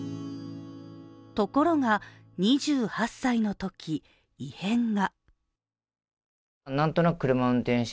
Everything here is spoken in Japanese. ところが２８歳のとき、異変が。